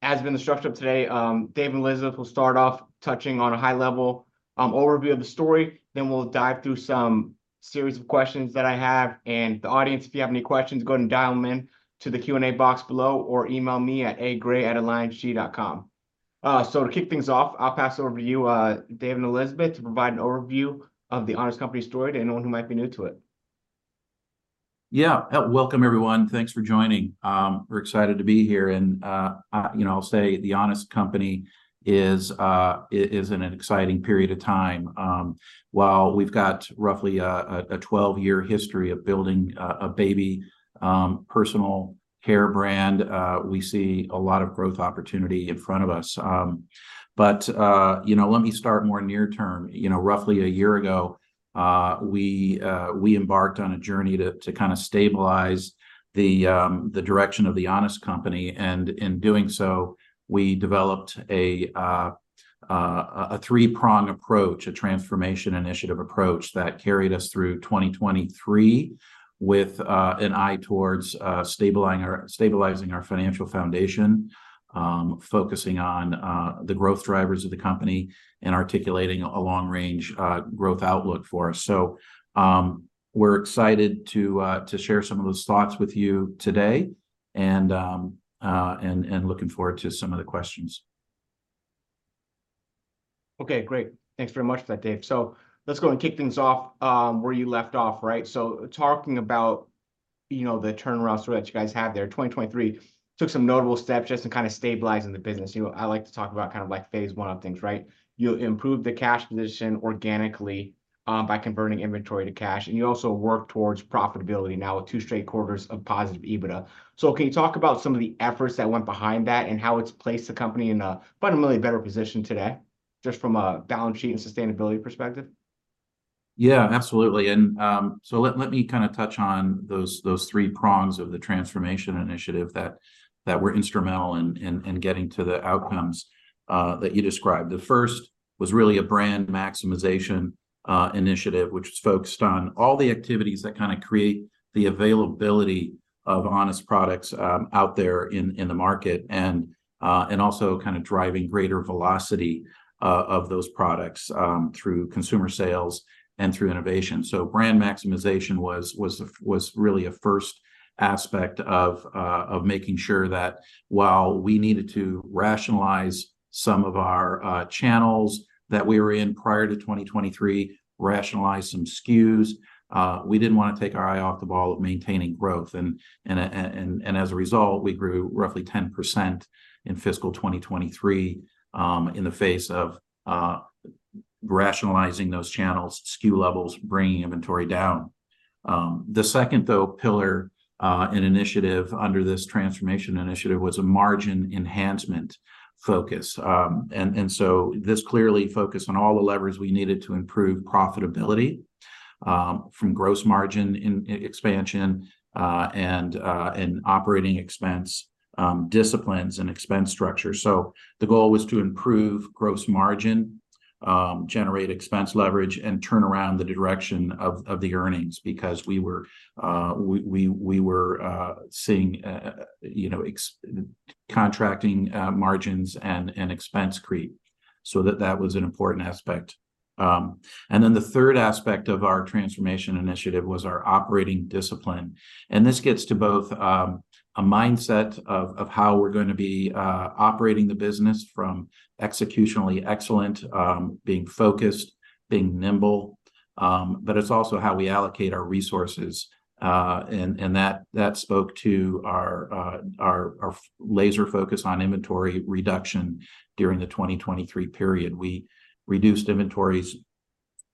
As has been the structure of today, Dave and Elizabeth will start off touching on a high-level overview of the story. Then we'll dive through some series of questions that I have. And the audience, if you have any questions, go ahead and dial them in to the Q&A box below, or email me at agray@alliancegt.com. So to kick things off, I'll pass it over to you, Dave and Elizabeth, to provide an overview of The Honest Company story to anyone who might be new to it. Yeah. Welcome, everyone. Thanks for joining. We're excited to be here, and, you know, I'll say The Honest Company is in an exciting period of time. While we've got roughly a 12-year history of building a baby personal care brand, we see a lot of growth opportunity in front of us. But, you know, let me start more near term. You know, roughly a year ago, we embarked on a journey to kind of stabilize the direction of The Honest Company, and in doing so, we developed a three-prong approach, a transformation initiative approach that carried us through 2023, with an eye towards stabilizing our financial foundation, focusing on the growth drivers of the company, and articulating a long-range growth outlook for us. So, we're excited to share some of those thoughts with you today, and looking forward to some of the questions. Okay, great. Thanks very much for that, Dave. So let's go and kick things off, where you left off, right? So talking about, you know, the turnaround story that you guys had there, 2023, took some notable steps just in kind of stabilizing the business. You know, I like to talk about kind of like phase one of things, right? You improved the cash position organically, by converting inventory to cash, and you also worked towards profitability, now with two straight quarters of positive EBITDA. So can you talk about some of the efforts that went behind that, and how it's placed the company in a fundamentally better position today, just from a balance sheet and sustainability perspective? Yeah, absolutely. And, so let me kind of touch on those three prongs of the transformation initiative that were instrumental in getting to the outcomes that you described. The first was really a brand maximization initiative, which was focused on all the activities that kind of create the availability of Honest products out there in the market and also kind of driving greater velocity of those products through consumer sales and through innovation. So brand maximization was really a first aspect of making sure that while we needed to rationalize some of our channels that we were in prior to 2023, rationalize some SKUs, we didn't wanna take our eye off the ball of maintaining growth. As a result, we grew roughly 10% in fiscal 2023, in the face of rationalizing those channels, SKU levels, bringing inventory down. The second, though, pillar and initiative under this transformation initiative was a margin enhancement focus. And so this clearly focused on all the levers we needed to improve profitability, from gross margin in expansion, and in operating expense disciplines and expense structure. So the goal was to improve gross margin, generate expense leverage, and turn around the direction of the earnings, because we were seeing you know contracting margins and expense creep. So that was an important aspect. And then the third aspect of our transformation initiative was our operating discipline, and this gets to both a mindset of how we're gonna be operating the business from executionally excellent, being focused, being nimble, but it's also how we allocate our resources, and that spoke to our laser focus on inventory reduction during the 2023 period. We reduced inventories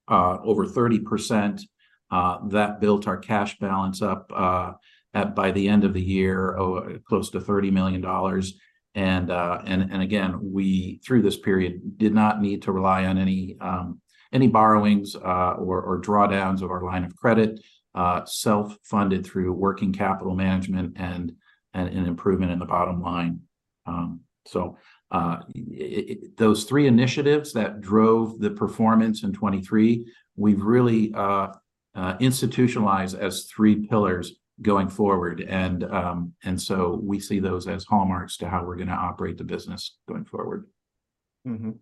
over 30%. That built our cash balance up by the end of the year, oh, close to $30 million. And again, we through this period did not need to rely on any borrowings or drawdowns of our line of credit, self-funded through working capital management and an improvement in the bottom line. So, those three initiatives that drove the performance in 2023, we've really institutionalized as three pillars going forward, and so we see those as hallmarks to how we're gonna operate the business going forward. Mm-hmm.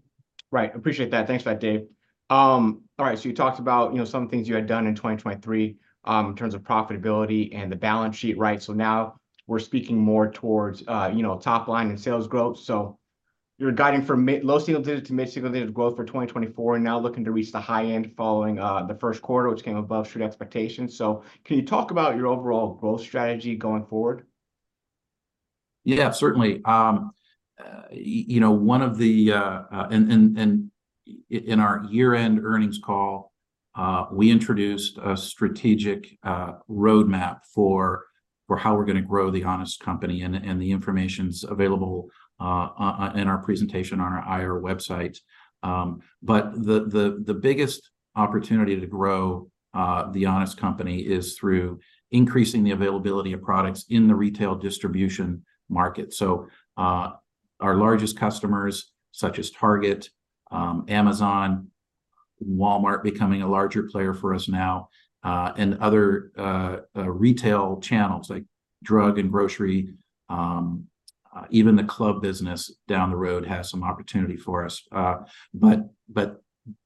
Right, appreciate that. Thanks for that, Dave. All right, so you talked about, you know, some of the things you had done in 2023, in terms of profitability and the balance sheet, right? So now we're speaking more towards, you know, top line and sales growth. So you're guiding for mid-low single digits to mid-single digits growth for 2024, and now looking to reach the high end following the Q1, which came above Street expectations. So can you talk about your overall growth strategy going forward? Yeah, certainly. You know, one of the in our year-end earnings call, we introduced a strategic roadmap for how we're gonna grow The Honest Company, and the information's available in our presentation on our IR website. But the biggest opportunity to grow The Honest Company is through increasing the availability of products in the retail distribution market. So, our largest customers, such as Target, Amazon, Walmart becoming a larger player for us now, and other retail channels, like drug and grocery. Even the club business down the road has some opportunity for us. But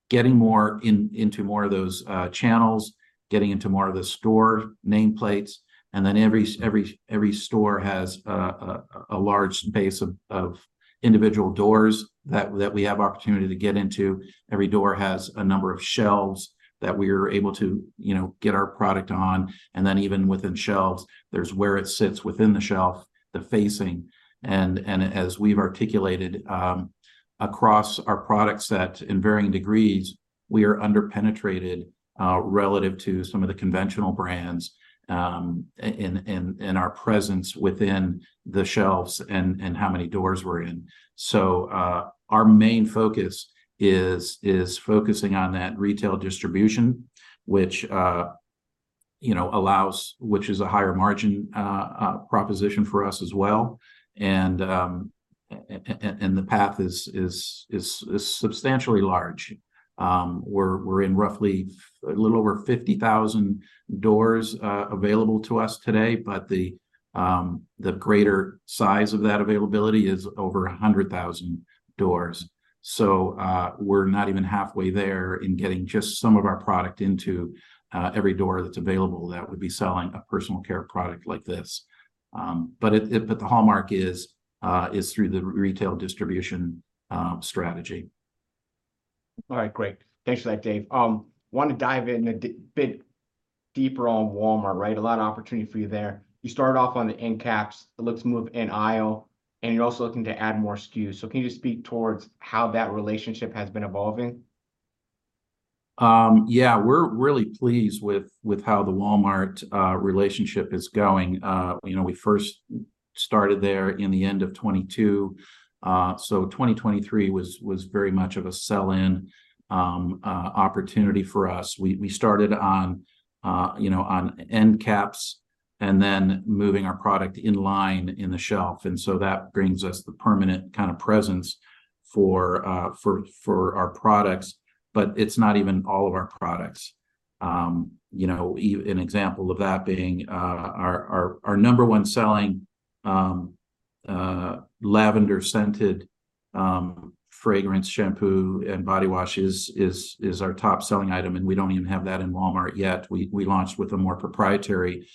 getting more into more of those channels, getting into more of the store nameplates, and then every store has a large base of individual doors that we have opportunity to get into. Every door has a number of shelves that we are able to, you know, get our product on. And then even within shelves, there's where it sits within the shelf, the facing, and as we've articulated, across our product set in varying degrees, we are under-penetrated relative to some of the conventional brands, and our presence within the shelves and how many doors we're in. So our main focus is focusing on that retail distribution, which, you know, is a higher margin proposition for us as well. The path is substantially large. We're in roughly a little over 50,000 doors available to us today, but the greater size of that availability is over 100,000 doors. So we're not even halfway there in getting just some of our product into every door that's available that would be selling a personal care product like this. But the hallmark is through the retail distribution strategy. All right, great. Thanks for that, Dave. Want to dive in a bit deeper on Walmart, right? A lot of opportunity for you there. You started off on the end caps. It looks like a move in-aisle, and you're also looking to add more SKUs. So can you just speak towards how that relationship has been evolving? Yeah, we're really pleased with how the Walmart relationship is going. You know, we first started there in the end of 2022. So 2023 was very much of a sell-in opportunity for us. We started on, you know, on end caps and then moving our product in line in the shelf, and so that brings us the permanent kind of presence for our products, but it's not even all of our products. You know, an example of that being our number one selling lavender-scented fragrance shampoo and body wash is our top-selling item, and we don't even have that in Walmart yet. We launched with a more proprietary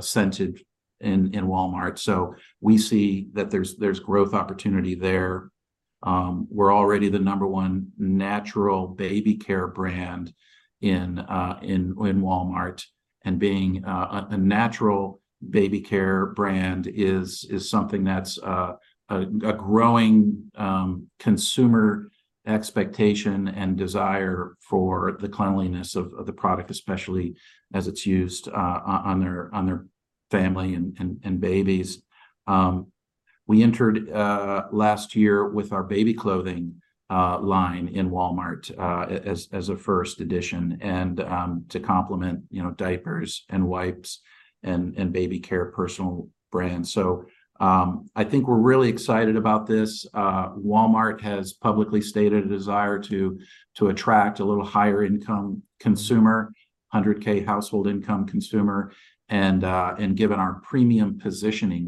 scented in Walmart. So we see that there's growth opportunity there. We're already the number one natural baby care brand in Walmart, and being a natural baby care brand is something that's a growing consumer expectation and desire for the cleanliness of the product, especially as it's used on their family and babies. We entered last year with our baby clothing line in Walmart as a first edition and to complement, you know, diapers and wipes and baby care personal brands. So I think we're really excited about this. Walmart has publicly stated a desire to attract a little higher income consumer, 100K household income consumer, and given our premium positioning,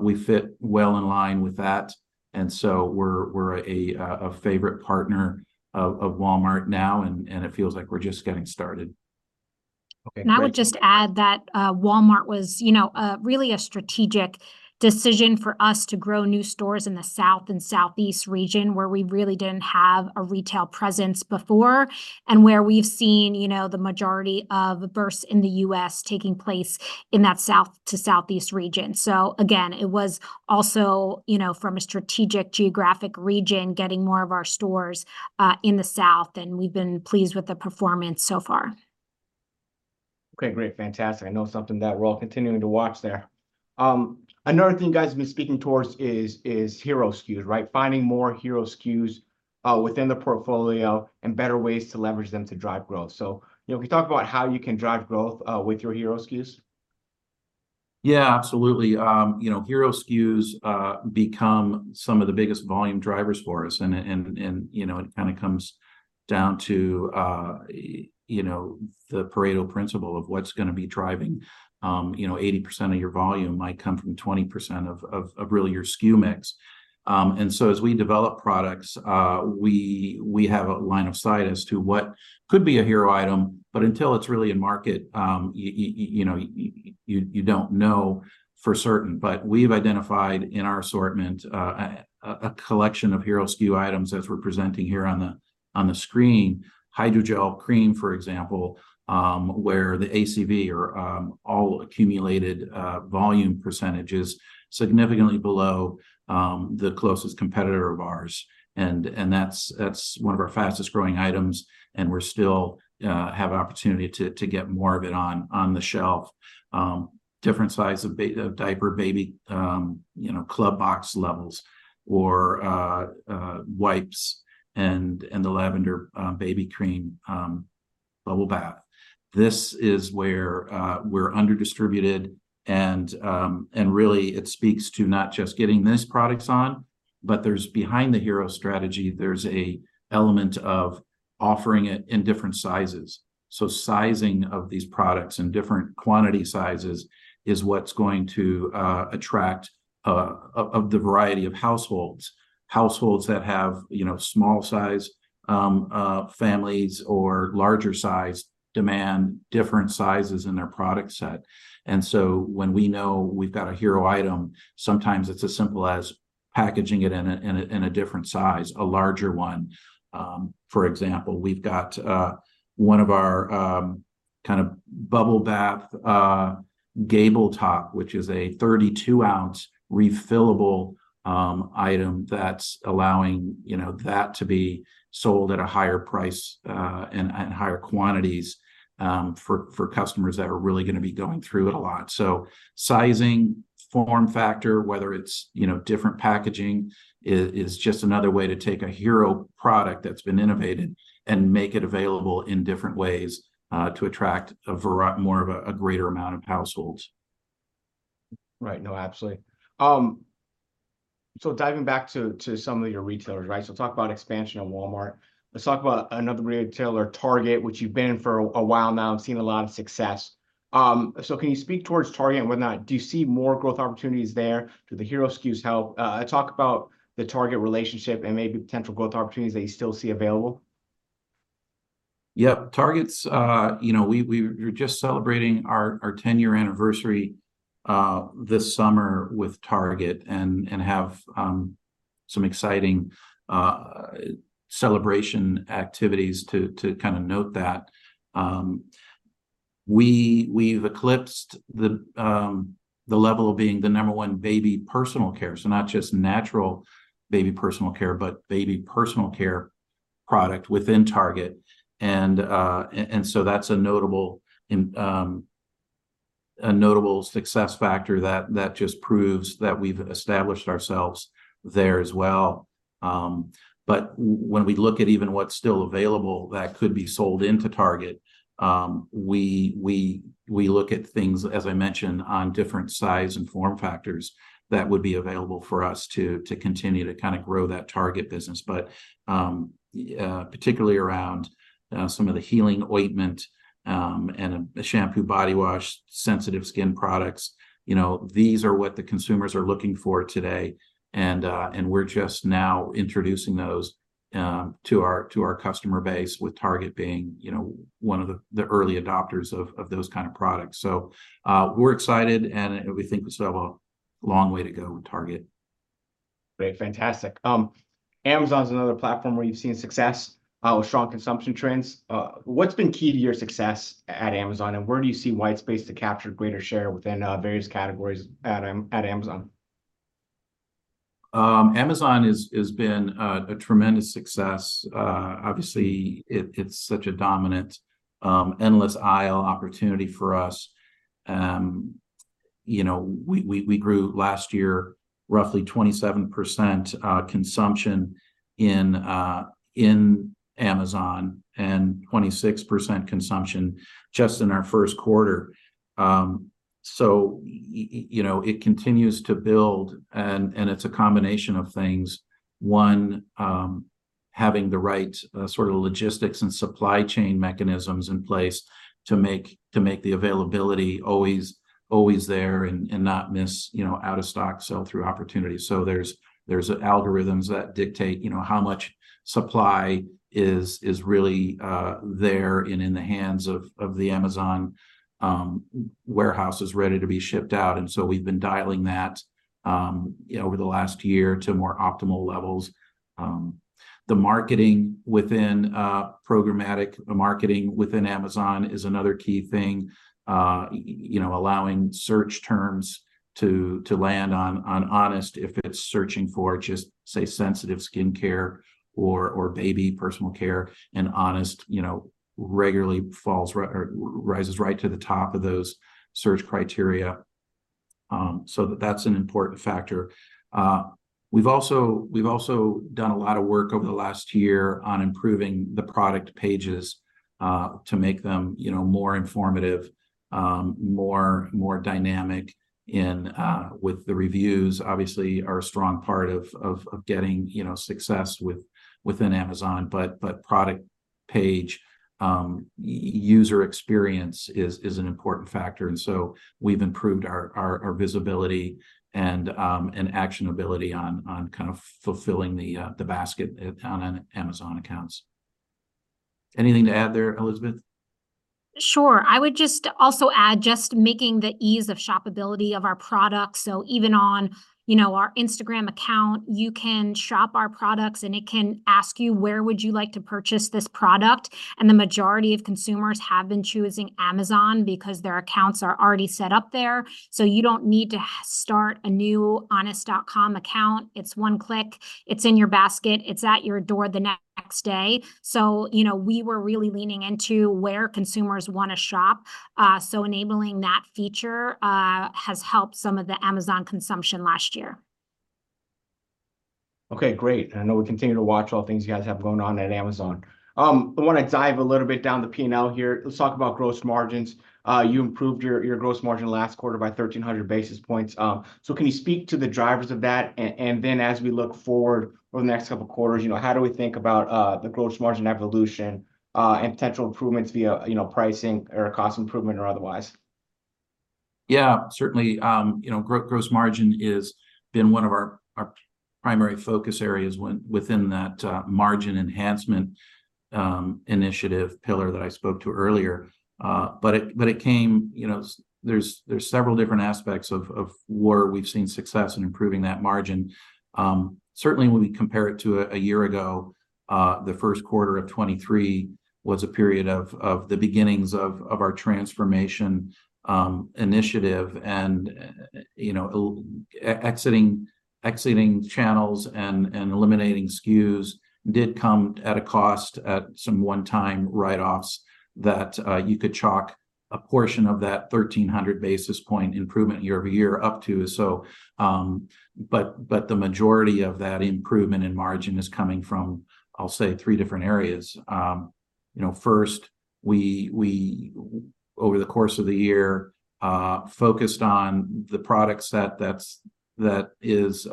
we fit well in line with that. And so we're a favorite partner of Walmart now, and it feels like we're just getting started. Okay, great- I would just add that, Walmart was, you know, really a strategic decision for us to grow new stores in the South and Southeast region, where we really didn't have a retail presence before, and where we've seen, you know, the majority of births in the U.S. taking place in that South to Southeast region. So again, it was also, you know, from a strategic geographic region, getting more of our stores in the South, and we've been pleased with the performance so far. Okay, great. Fantastic. I know something that we're all continuing to watch there. Another thing you guys have been speaking towards is hero SKUs, right? Finding more hero SKUs within the portfolio and better ways to leverage them to drive growth. So, you know, can you talk about how you can drive growth with your hero SKUs? Yeah, absolutely. You know, hero SKUs become some of the biggest volume drivers for us. And you know, it kind of comes down to you know, the Pareto principle of what's gonna be driving. You know, 80% of your volume might come from 20% of really your SKU mix. And so as we develop products, we have a line of sight as to what could be a hero item, but until it's really in market, you know, you don't know for certain. But we've identified in our assortment a collection of hero SKU items as we're presenting here on the screen. Hydrogel Cream, for example, where the ACV or all-commodity volume percentage is significantly below the closest competitor of ours. That's one of our fastest-growing items, and we're still have opportunity to get more of it on the shelf. Different size of baby diaper, baby, you know, club box levels or wipes and the lavender baby cream bubble bath. This is where we're under-distributed, and really it speaks to not just getting this products on, but there's behind the hero strategy, there's a element of offering it in different sizes. So sizing of these products in different quantity sizes is what's going to attract of the variety of households. Households that have, you know, small size families or larger size demand different sizes in their product set. And so when we know we've got a hero item, sometimes it's as simple as packaging it in a different size, a larger one. For example, we've got one of our kind of bubble bath gable top, which is a 32-ounce refillable item that's allowing, you know, that to be sold at a higher price, and higher quantities, for customers that are really gonna be going through it a lot. So sizing, form factor, whether it's, you know, different packaging, is just another way to take a hero product that's been innovated and make it available in different ways, to attract more of a greater amount of households. Right. No, absolutely. So diving back to some of your retailers, right? So talk about expansion of Walmart. Let's talk about another retailer, Target, which you've been for a while now and seen a lot of success. So can you speak towards Target and what not? Do you see more growth opportunities there? Do the hero SKUs help? Talk about the Target relationship and maybe potential growth opportunities that you still see available. Yep. Target's... You know, we're just celebrating our 10-year anniversary this summer with Target, and have some exciting celebration activities to kind of note that. We've eclipsed the level of being the number one baby personal care, so not just natural baby personal care, but baby personal care product within Target. And so that's a notable success factor that just proves that we've established ourselves there as well. But when we look at even what's still available that could be sold into Target, we look at things, as I mentioned, on different size and form factors that would be available for us to continue to kind of grow that Target business. Particularly around some of the healing ointment and a shampoo body wash, sensitive skin products, you know, these are what the consumers are looking for today, and we're just now introducing those to our customer base, with Target being, you know, one of the early adopters of those kind of products. So, we're excited, and we think we still have a long way to go with Target. Great. Fantastic. Amazon's another platform where you've seen success with strong consumption trends. What's been key to your success at Amazon, and where do you see white space to capture greater share within various categories at Amazon? Amazon has been a tremendous success. Obviously, it's such a dominant endless aisle opportunity for us. You know, we grew last year roughly 27% consumption in Amazon, and 26% consumption just in our Q1. So you know, it continues to build, and it's a combination of things. One, having the right sort of logistics and supply chain mechanisms in place to make the availability always there and not miss, you know, out-of-stock sell-through opportunities. So there's algorithms that dictate, you know, how much supply is really there and in the hands of the Amazon warehouses, ready to be shipped out, and so we've been dialing that, you know, over the last year to more optimal levels. The marketing within programmatic marketing within Amazon is another key thing. You know, allowing search terms to land on Honest if it's searching for just, say, sensitive skincare or baby personal care, and Honest, you know, regularly ranks or rises right to the top of those search criteria. So that's an important factor. We've also done a lot of work over the last year on improving the product pages to make them, you know, more informative, more dynamic in with the reviews, obviously, are a strong part of getting, you know, success within Amazon. But product page user experience is an important factor, and so we've improved our visibility and actionability on kind of fulfilling the basket on Amazon accounts. Anything to add there, Elizabeth? Sure. I would just also add just making the ease of shoppability of our products, so even on, you know, our Instagram account, you can shop our products, and it can ask you, "Where would you like to purchase this product?" And the majority of consumers have been choosing Amazon, because their accounts are already set up there. So you don't need to start a new honest.com account. It's one click, it's in your basket, it's at your door the next day. So, you know, we were really leaning into where consumers wanna shop. So enabling that feature has helped some of the Amazon consumption last year.... Okay, great. And I know we continue to watch all things you guys have going on at Amazon. I wanna dive a little bit down the P&L here. Let's talk about gross margins. You improved your gross margin last quarter by 1,300 basis points. So can you speak to the drivers of that? And then as we look forward over the next couple quarters, you know, how do we think about the gross margin evolution and potential improvements via, you know, pricing or cost improvement or otherwise? Yeah, certainly. You know, gross margin is been one of our primary focus areas within that margin enhancement initiative pillar that I spoke to earlier. But it came. You know, there's several different aspects of where we've seen success in improving that margin. Certainly when we compare it to a year ago, the Q1 of 2023 was a period of the beginnings of our transformation initiative. You know, exiting channels and eliminating SKUs did come at a cost at some one-time write-offs that you could chalk a portion of that 1,300 basis point improvement year-over-year up to. But the majority of that improvement in margin is coming from, I'll say, three different areas. You know, first, we over the course of the year focused on the product set that is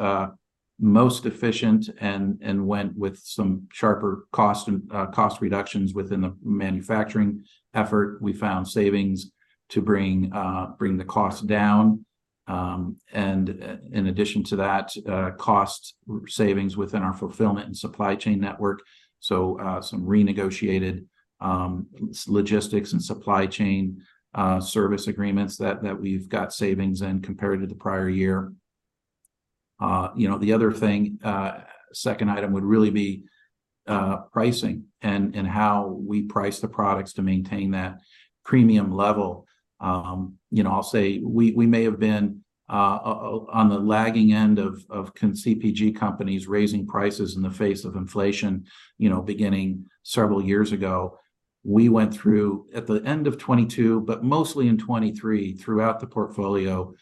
most efficient, and went with some sharper cost and cost reductions within the manufacturing effort. We found savings to bring the cost down. And in addition to that, cost savings within our fulfillment and supply chain network, so some renegotiated logistics and supply chain service agreements that we've got savings in compared to the prior year. You know, the other thing, second item would really be pricing and how we price the products to maintain that premium level. You know, I'll say we may have been on the lagging end of CPG companies raising prices in the face of inflation, you know, beginning several years ago. We went through, at the end of 2022, but mostly in 2023, throughout the portfolio,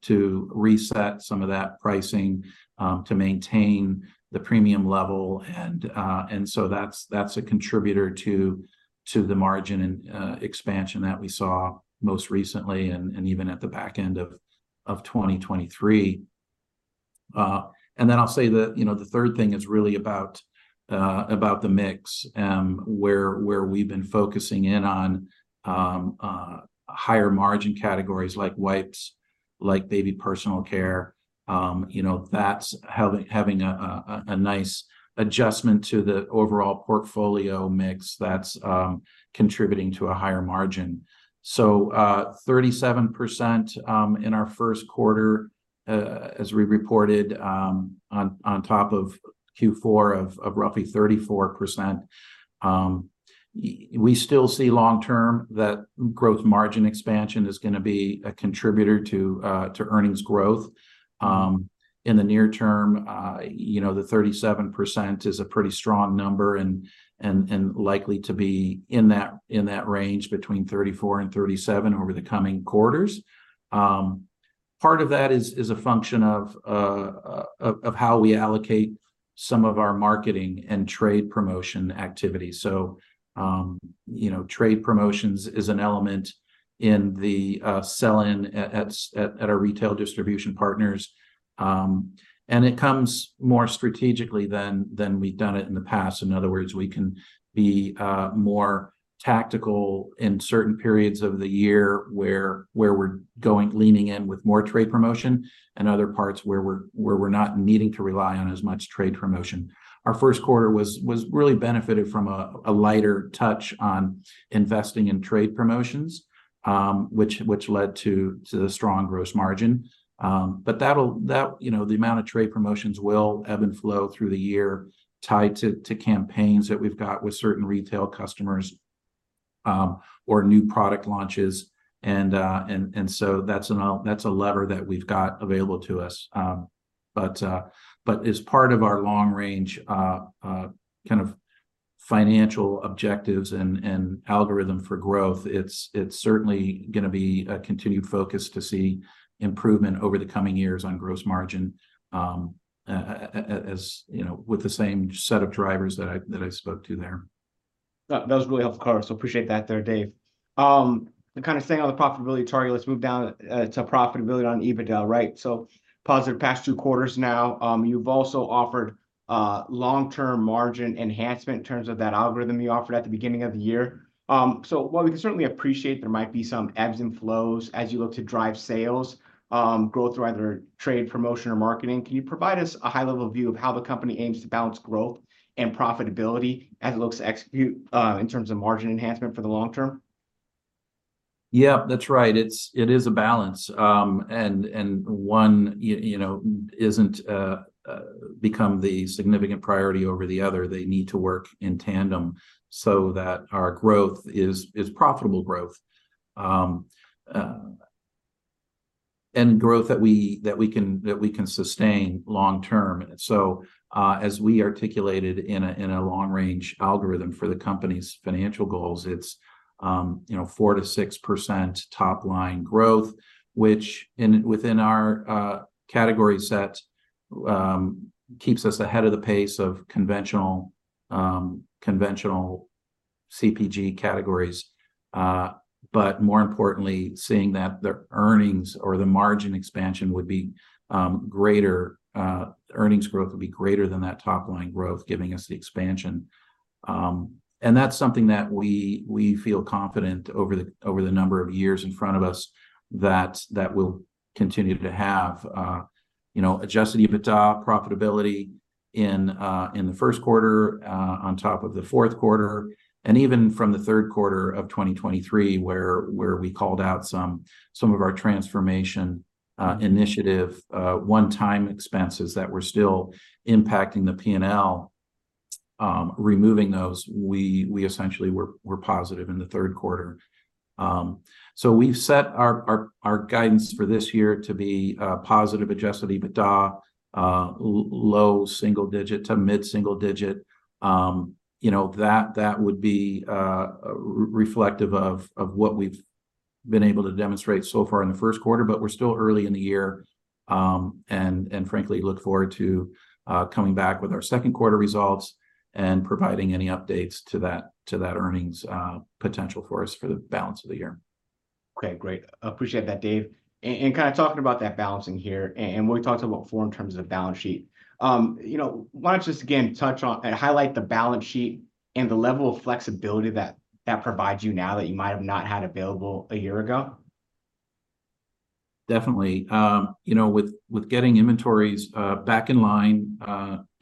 to reset some of that pricing, to maintain the premium level. And so that's a contributor to the margin and expansion that we saw most recently, and even at the back end of 2023. And then I'll say that, you know, the third thing is really about the mix, where we've been focusing in on higher margin categories like wipes, like baby personal care. You know, that's having a nice adjustment to the overall portfolio mix that's contributing to a higher margin. So, 37%, in our Q1, as we reported, on top of Q4 of roughly 34%, we still see long-term that gross margin expansion is gonna be a contributor to earnings growth. In the near term, you know, the 37% is a pretty strong number and likely to be in that range between 34%-37% over the coming quarters. Part of that is a function of how we allocate some of our marketing and trade promotion activity. So, you know, trade promotions is an element in the sell-in at our retail distribution partners. And it comes more strategically than we've done it in the past. In other words, we can be more tactical in certain periods of the year, where we're leaning in with more trade promotion, and other parts where we're not needing to rely on as much trade promotion. Our Q1 really benefited from a lighter touch on investing in trade promotions, which led to the strong gross margin. But that'll, you know, the amount of trade promotions will ebb and flow through the year, tied to campaigns that we've got with certain retail customers, or new product launches. And so that's a lever that we've got available to us. But as part of our long range kind of financial objectives and algorithm for growth, it's certainly gonna be a continued focus to see improvement over the coming years on gross margin, as you know, with the same set of drivers that I spoke to there. That was really helpful, color so appreciate that there, Dave. Kind of staying on the profitability target, let's move down to profitability on EBITDA, right? So positive past two quarters now. You've also offered long-term margin enhancement in terms of that algorithm you offered at the beginning of the year. So while we can certainly appreciate there might be some ebbs and flows as you look to drive sales growth through either trade promotion or marketing, can you provide us a high-level view of how the company aims to balance growth and profitability as it looks to execute in terms of margin enhancement for the long term? Yeah, that's right. It's a balance. And one you know isn't become the significant priority over the other. They need to work in tandem so that our growth is profitable growth. And growth that we can sustain long term. So as we articulated in a long range algorithm for the company's financial goals, it's you know 4%-6% top-line growth, which and within our category set keeps us ahead of the pace of conventional CPG categories. But more importantly, seeing that their earnings or the margin expansion would be greater, earnings growth would be greater than that top line growth, giving us the expansion. And that's something that we feel confident over the number of years in front of us, that will continue to have, you know, Adjusted EBITDA profitability in the Q1, on top of the Q4, and even from the Q3 of 2023, where we called out some of our transformation initiative one-time expenses that were still impacting the P&L. Removing those, we essentially were positive in the Q3. So we've set our guidance for this year to be positive Adjusted EBITDA, low single digit to mid single digit. You know, that would be reflective of what we've been able to demonstrate so far in the Q1, but we're still early in the year. Frankly, look forward to coming back with our Q2 results and providing any updates to that earnings potential for us for the balance of the year. Okay, great. Appreciate that, Dave. And kind of talking about that balancing here, and we talked about before in terms of balance sheet, you know, why don't you just again touch on and highlight the balance sheet and the level of flexibility that that provides you now that you might have not had available a year ago? Definitely. You know, with getting inventories back in line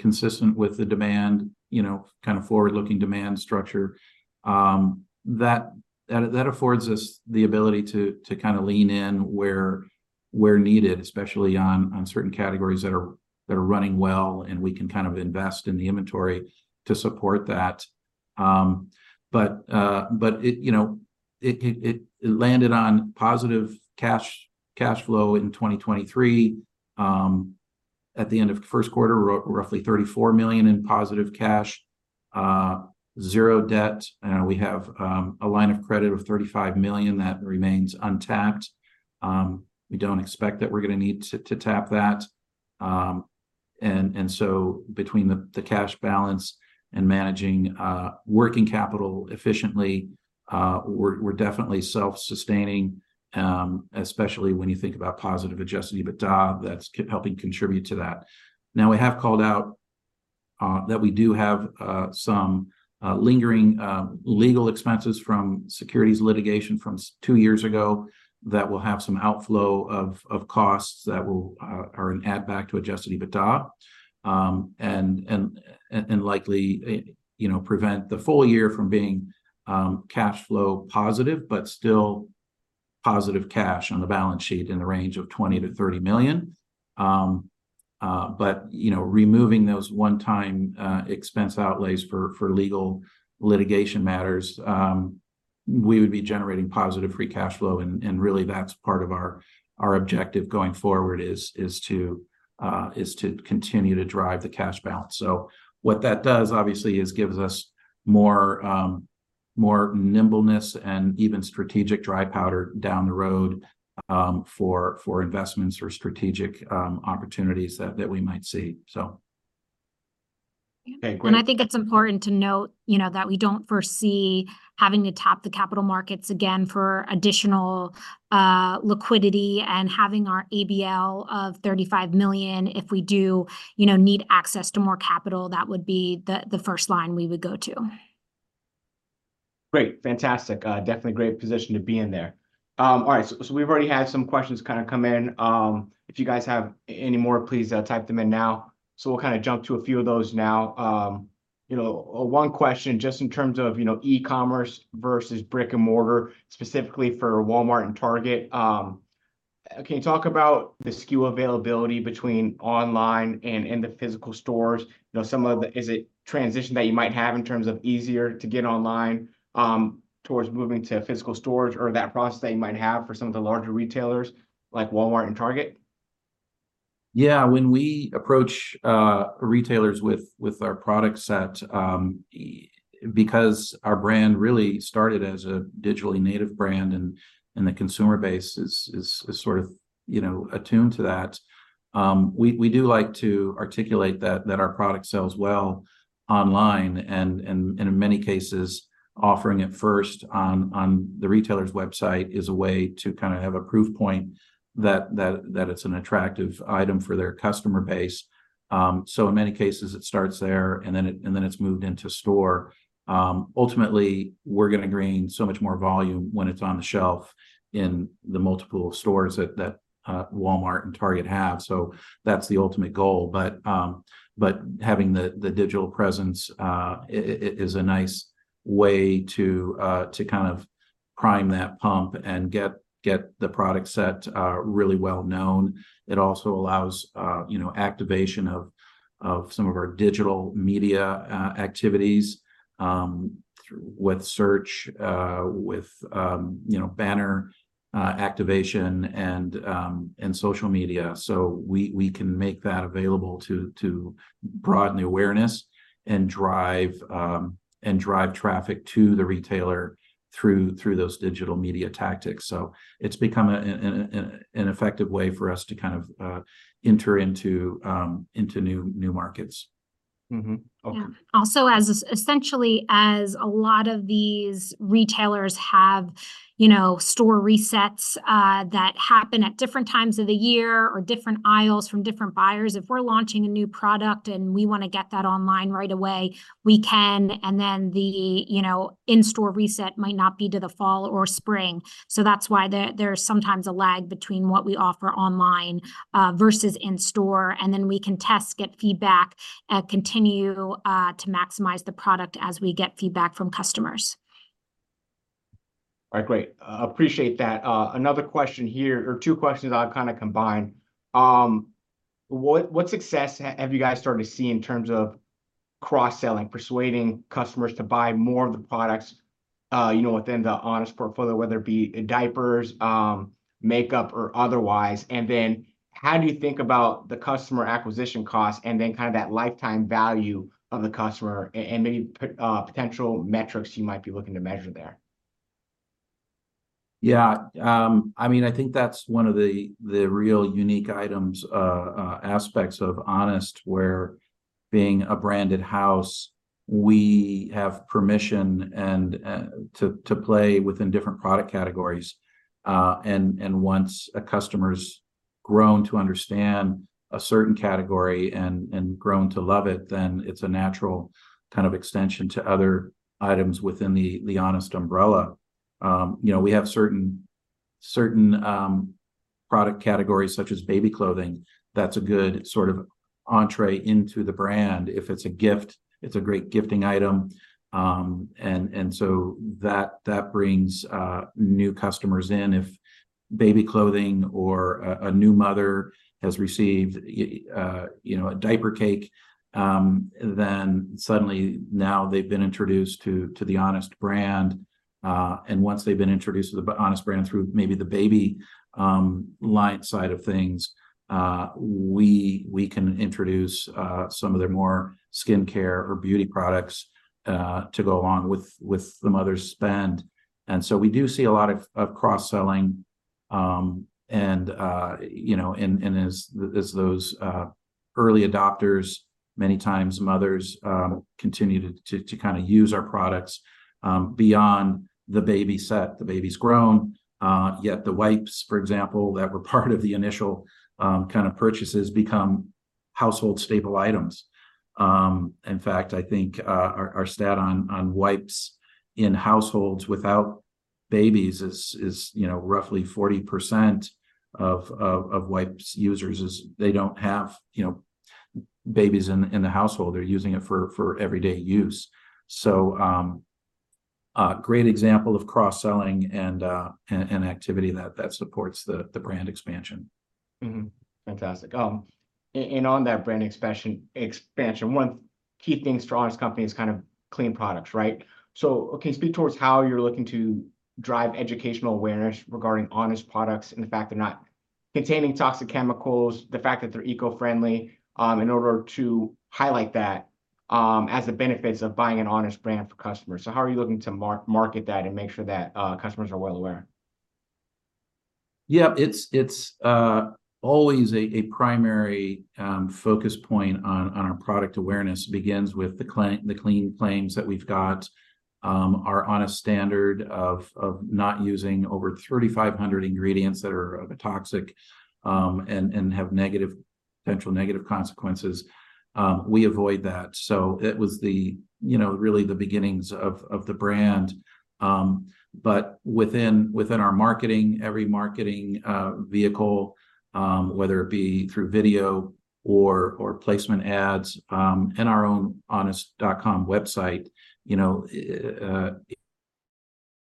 consistent with the demand, you know, kind of forward-looking demand structure, that affords us the ability to kind of lean in where we're needed, especially on certain categories that are running well, and we can kind of invest in the inventory to support that. But it, you know, landed on positive cash flow in 2023. At the end of the Q1, roughly $34 million in positive cash. 0 debt, we have a line of credit of $35 million that remains untapped. We don't expect that we're gonna need to tap that. And so between the cash balance and managing working capital efficiently, we're definitely self-sustaining, especially when you think about positive Adjusted EBITDA, that's helping contribute to that. Now, we have called out that we do have some lingering legal expenses from securities litigation from two years ago that will have some outflow of costs that will or add back to Adjusted EBITDA, and likely, you know, prevent the full year from being cash flow positive, but still positive cash on the balance sheet in the range of $20 million-$30 million. But, you know, removing those one-time expense outlays for legal litigation matters, we would be generating positive free cash flow, and really, that's part of our objective going forward, is to continue to drive the cash balance. So what that does, obviously, is gives us more nimbleness and even strategic dry powder down the road, for investments or strategic opportunities that we might see. So... Okay, great. I think it's important to note, you know, that we don't foresee having to tap the capital markets again for additional liquidity and having our ABL of $35 million. If we do, you know, need access to more capital, that would be the first line we would go to. Great. Fantastic. Definitely a great position to be in there. All right, so, so we've already had some questions kind of come in. If you guys have any more, please type them in now. So we'll kinda jump to a few of those now. You know, one question, just in terms of, you know, e-commerce versus brick-and-mortar, specifically for Walmart and Target, can you talk about the SKU availability between online and in the physical stores? You know, some of the transition that you might have in terms of easier to get online, towards moving to physical stores, or that process that you might have for some of the larger retailers, like Walmart and Target? Yeah, when we approach retailers with our product set, because our brand really started as a digitally native brand, and the consumer base is sort of, you know, attuned to that, we do like to articulate that our product sells well online, and in many cases, offering it first on the retailer's website is a way to kind of have a proof point that it's an attractive item for their customer base. So in many cases, it starts there, and then it's moved into store. Ultimately, we're gonna gain so much more volume when it's on the shelf in the multiple stores that Walmart and Target have. So that's the ultimate goal. But having the digital presence is a nice way to kind of prime that pump and get the product set really well known. It also allows, you know, activation of some of our digital media activities through with search, with you know, banner activation, and social media. So we can make that available to broaden the awareness and drive traffic to the retailer through those digital media tactics. So it's become an effective way for us to kind of enter into new markets.... Mm-hmm. Okay. Yeah, also as, essentially as a lot of these retailers have, you know, store resets that happen at different times of the year or different aisles from different buyers, if we're launching a new product and we wanna get that online right away, we can, and then the, you know, in-store reset might not be till the fall or spring. So that's why there, there's sometimes a lag between what we offer online versus in-store, and then we can test, get feedback, continue to maximize the product as we get feedback from customers. All right, great. Appreciate that. Another question here, or two questions I'll kinda combine. What success have you guys started to see in terms of cross-selling, persuading customers to buy more of the products, you know, within the Honest portfolio, whether it be in diapers, makeup, or otherwise? And then how do you think about the customer acquisition cost, and then kinda that lifetime value of the customer, and maybe potential metrics you might be looking to measure there? Yeah, I mean, I think that's one of the real unique aspects of Honest, where being a branded house, we have permission and to play within different product categories. And once a customer's grown to understand a certain category and grown to love it, then it's a natural kind of extension to other items within the Honest umbrella. You know, we have certain product categories, such as baby clothing. That's a good sort of entree into the brand. If it's a gift, it's a great gifting item. And so that brings new customers in. If baby clothing or a new mother has received you know, a diaper cake, then suddenly now they've been introduced to the Honest brand. And once they've been introduced to the Honest brand through maybe the baby line side of things, we can introduce some of their more skincare or beauty products to go along with the mother's spend. And so we do see a lot of cross-selling. And you know, and as those early adopters, many times mothers, continue to kinda use our products beyond the baby set. The baby's grown yet the wipes, for example, that were part of the initial kind of purchases become household staple items. In fact, I think our stat on wipes in households without babies is you know, roughly 40% of wipes users is they don't have you know, babies in the household. They're using it for everyday use. A great example of cross-selling and activity that supports the brand expansion. Mm-hmm. Fantastic. And on that brand expansion, one key thing to Honest Company is kind of clean products, right? So, okay, speak towards how you're looking to drive educational awareness regarding Honest products, and the fact they're not containing toxic chemicals, the fact that they're eco-friendly, in order to highlight that, as the benefits of buying an Honest brand for customers. So how are you looking to market that and make sure that customers are well aware? Yeah, it's, it's always a primary focus point on our product awareness. It begins with the clean claims that we've got, our Honest Standard of not using over 3,500 ingredients that are toxic, and have potential negative consequences. We avoid that, so it was, you know, really the beginnings of the brand. But within our marketing, every marketing vehicle, whether it be through video or placement ads, in our own honest.com website, you know,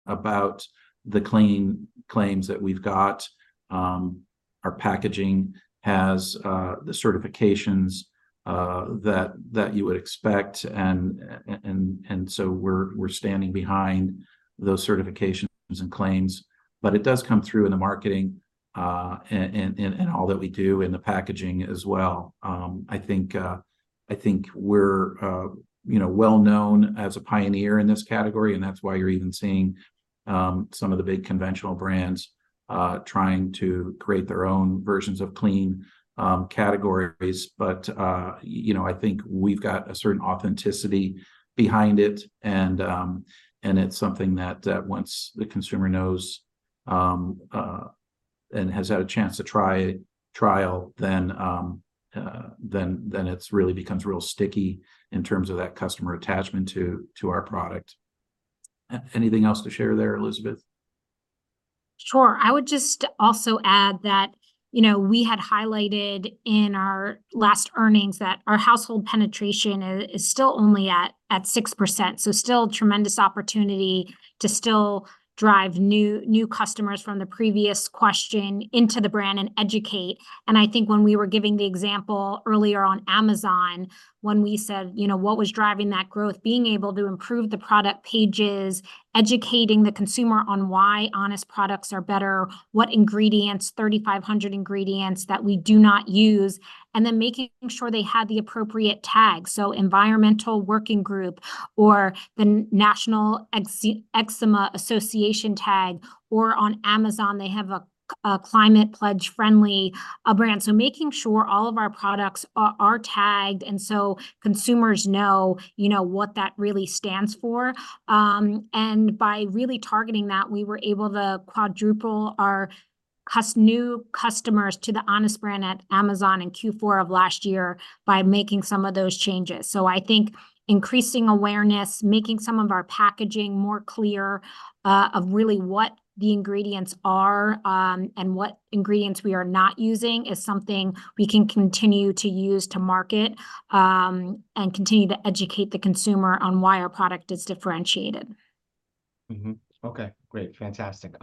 about the claims that we've got, our packaging has the certifications that you would expect. And so we're standing behind those certifications and claims. But it does come through in the marketing, and all that we do in the packaging as well. I think, I think we're, you know, well-known as a pioneer in this category, and that's why you're even seeing, some of the big conventional brands, trying to create their own versions of clean categories. But, you know, I think we've got a certain authenticity behind it, and, and it's something that, once the consumer knows, and has had a chance to try it, trial, then, then it's really becomes real sticky in terms of that customer attachment to, to our product. Anything else to share there, Elizabeth? Sure. I would just also add that, you know, we had highlighted in our last earnings that our household penetration is still only at 6%. So still tremendous opportunity to still drive new customers from the previous question into the brand and educate. And I think when we were giving the example earlier on Amazon, when we said, you know, what was driving that growth? Being able to improve the product pages, educating the consumer on why Honest products are better, what ingredients, 3,500 ingredients that we do not use, and then making sure they had the appropriate tags. So Environmental Working Group or the National Eczema Association tag, or on Amazon, they have a Climate Pledge Friendly brand. So making sure all of our products are tagged, and so consumers know, you know, what that really stands for. And by really targeting that, we were able to quadruple our new customers to the Honest Brand at Amazon in Q4 of last year by making some of those changes. So I think increasing awareness, making some of our packaging more clear, of really what the ingredients are, and what ingredients we are not using, is something we can continue to use to market, and continue to educate the consumer on why our product is differentiated. Mm-hmm. Okay, great. Fantastic.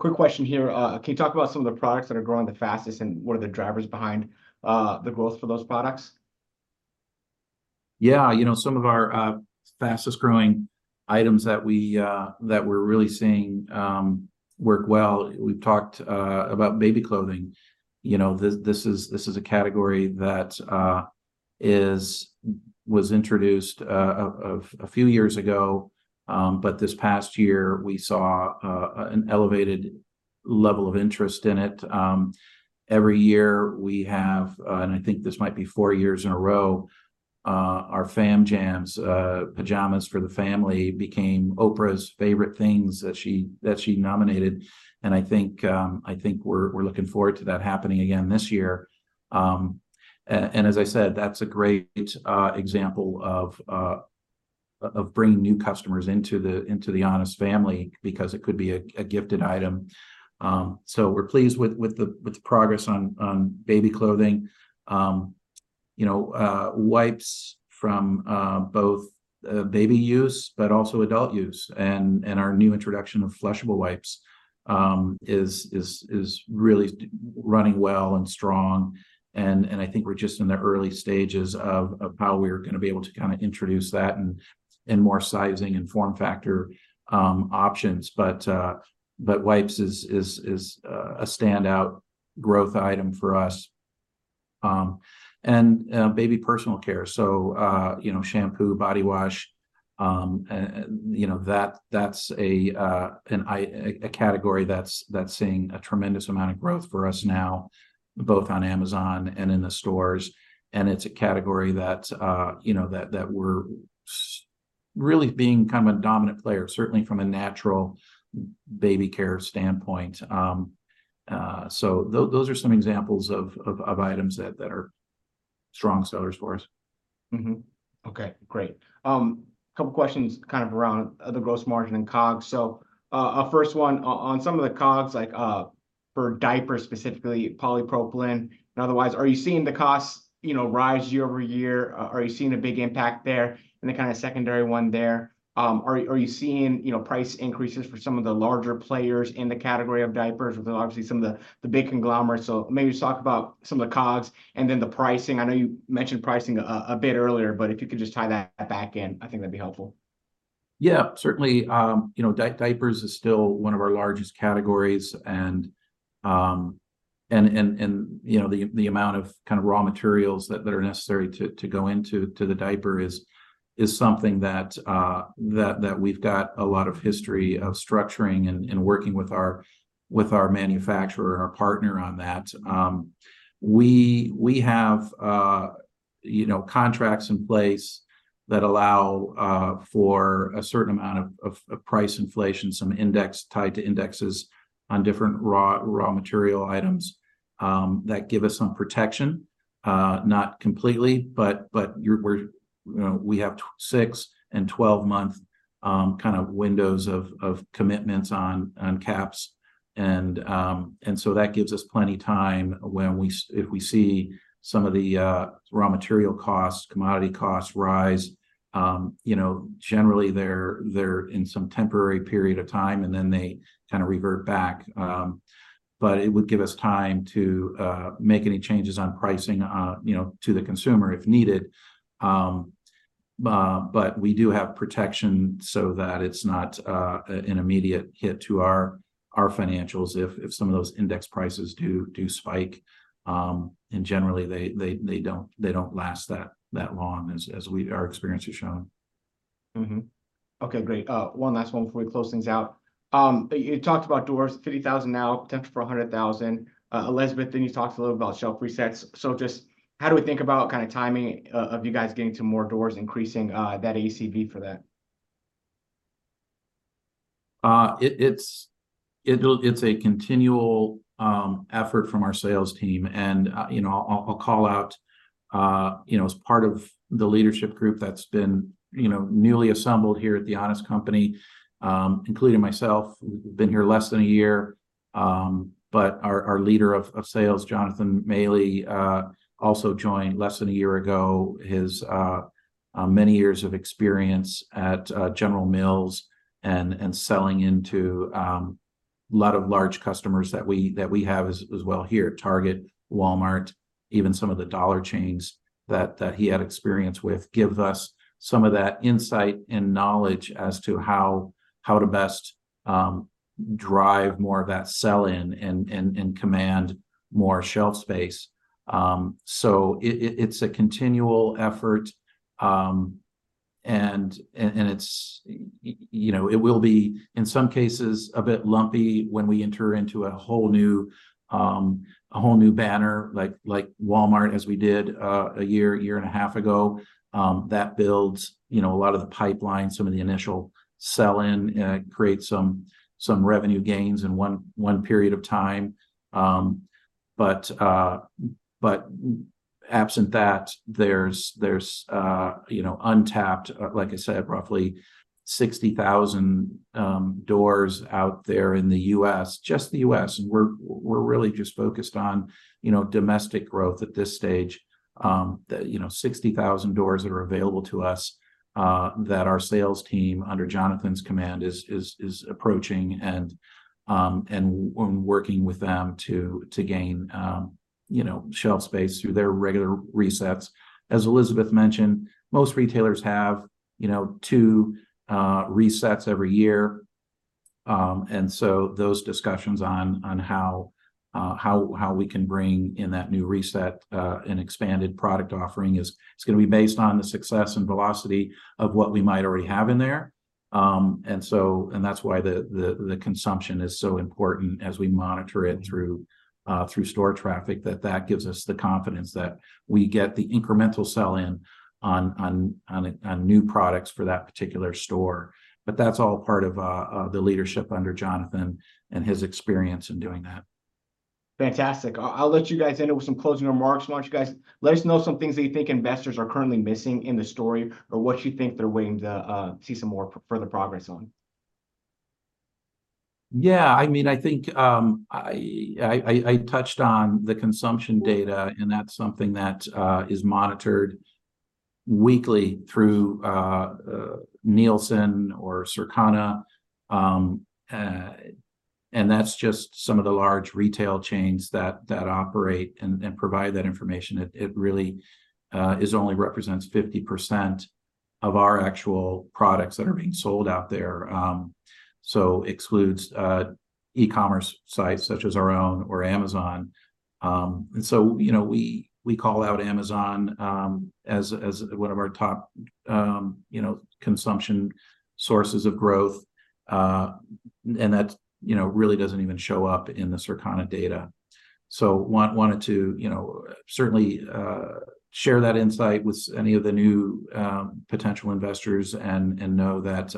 Quick question here. Can you talk about some of the products that are growing the fastest, and what are the drivers behind the growth for those products? Yeah, you know, some of our fastest-growing items that we're really seeing work well. We've talked about baby clothing. You know, this is a category that was introduced a few years ago. But this past year, we saw an elevated level of interest in it. Every year we have, and I think this might be four years in a row, our FamJams pajamas for the family became Oprah's Favorite Things that she nominated, and I think we're looking forward to that happening again this year. And as I said, that's a great example of bringing new customers into the Honest family because it could be a gifted item. So we're pleased with the progress on baby clothing. You know, wipes from both baby use but also adult use, and our new introduction of flushable wipes is really running well and strong. I think we're just in the early stages of how we're gonna be able to kinda introduce that and more sizing and form factor options. But wipes is a standout growth item for us. And baby personal care, so you know, shampoo, body wash, you know, that's a category that's seeing a tremendous amount of growth for us now, both on Amazon and in the stores. And it's a category that, you know, that we're really being kind of a dominant player, certainly from a natural baby care standpoint. So those are some examples of items that are strong sellers for us. Okay, great. Couple questions kind of around the gross margin and COGS. So, first one, on some of the COGS, like, for diapers, specifically, polypropylene and otherwise, are you seeing the costs, you know, rise year-over-year? Are you seeing a big impact there? And a kinda secondary one there, are you seeing, you know, price increases for some of the larger players in the category of diapers, with obviously some of the big conglomerates? So maybe just talk about some of the COGS and then the pricing. I know you mentioned pricing a bit earlier, but if you could just tie that back in, I think that'd be helpful. Yeah, certainly, you know, diapers is still one of our largest categories, and, you know, the amount of kind of raw materials that are necessary to go into the diaper is something that we've got a lot of history of structuring and working with our manufacturer and our partner on that. We have, you know, contracts in place that allow for a certain amount of price inflation, some index tied to indexes on different raw material items that give us some protection, not completely, but we're, you know, we have 2-, 6- and 12-month kind of windows of commitments on caps. That gives us plenty time when we see some of the raw material costs, commodity costs rise. You know, generally, they're in some temporary period of time, and then they kinda revert back. But it would give us time to make any changes on pricing, you know, to the consumer if needed. But we do have protection so that it's not an immediate hit to our financials if some of those index prices do spike. And generally, they don't last that long, as our experience has shown. Mm-hmm. Okay, great. One last one before we close things out. You talked about doors, 50,000 now, attempting for 100,000. Elizabeth, then you talked a little about shelf resets. So just how do we think about kind of timing, of you guys getting to more doors, increasing, that ACV for that? It's a continual effort from our sales team. You know, I'll call out, you know, as part of the leadership group that's been, you know, newly assembled here at The Honest Company, including myself, been here less than a year. But our leader of sales, Jonathan Mayle, also joined less than a year ago. His many years of experience at General Mills and selling into a lot of large customers that we have as well here, Target, Walmart, even some of the dollar chains that he had experience with, give us some of that insight and knowledge as to how to best drive more of that sell-in and command more shelf space. So it's a continual effort. It's, you know, it will be, in some cases, a bit lumpy when we enter into a whole new banner, like Walmart, as we did a year and a half ago. That builds, you know, a lot of the pipeline, some of the initial sell-in. It creates some revenue gains in one period of time. But absent that, there's, you know, untapped, like I said, roughly 60,000 doors out there in the U.S., just the U.S. We're really just focused on, you know, domestic growth at this stage. You know, the 60,000 doors that are available to us that our sales team, under Jonathan's command, is approaching, and we're working with them to gain you know, shelf space through their regular resets. As Elizabeth mentioned, most retailers have, you know, 2 resets every year. And so those discussions on how we can bring in that new reset and expanded product offering is. It's gonna be based on the success and velocity of what we might already have in there. And that's why the consumption is so important as we monitor it through store traffic, that that gives us the confidence that we get the incremental sell-in on new products for that particular store. But that's all part of the leadership under Jonathan and his experience in doing that. Fantastic. I'll let you guys end it with some closing remarks. Why don't you guys let us know some things that you think investors are currently missing in the story, or what you think they're waiting to see some more further progress on? Yeah, I mean, I think I touched on the consumption data, and that's something that is monitored weekly through Nielsen or Circana. And that's just some of the large retail chains that operate and provide that information. It really only represents 50% of our actual products that are being sold out there. So excludes e-commerce sites, such as our own or Amazon. And so, you know, we call out Amazon as one of our top, you know, consumption sources of growth. And that, you know, really doesn't even show up in the Circana data. So wanted to, you know, certainly share that insight with any of the new potential investors, and know that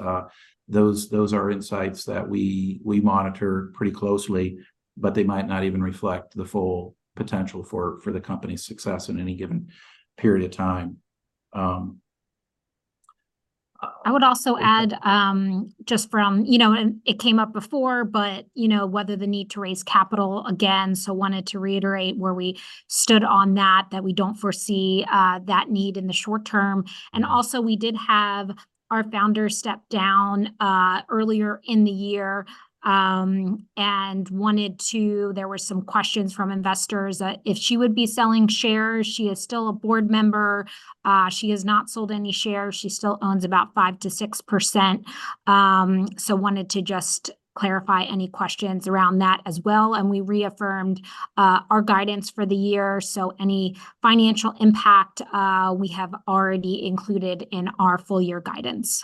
those are insights that we monitor pretty closely, but they might not even reflect the full potential for the company's success in any given period of time. I would also add, you know, and it came up before, but, you know, whether the need to raise capital again, so wanted to reiterate where we stood on that, that we don't foresee that need in the short term. And also, we did have our founder step down earlier in the year. There were some questions from investors, that if she would be selling shares. She is still a board member. She has not sold any shares. She still owns about 5%-6%. So wanted to just clarify any questions around that as well, and we reaffirmed our guidance for the year, so any financial impact, we have already included in our full-year guidance.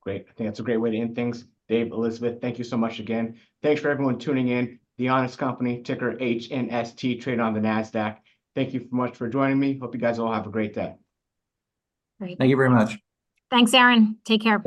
Great. I think that's a great way to end things. Dave, Elizabeth, thank you so much again. Thanks for everyone tuning in. The Honest Company, ticker HNST, trade on the Nasdaq. Thank you so much for joining me. Hope you guys all have a great day. Great. Thank you very much. Thanks, Aaron. Take care.